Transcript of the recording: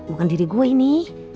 bukan diri gue ini